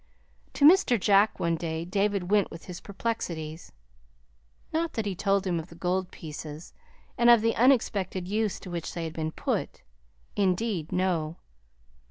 To Mr. Jack, one day, David went with his perplexities. Not that he told him of the gold pieces and of the unexpected use to which they had been put indeed, no.